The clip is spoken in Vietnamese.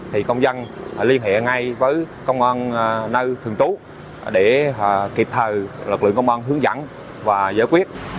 thì công dân liên hệ ngay với công an nơi thường trú để kịp thời lực lượng công an hướng dẫn và giải quyết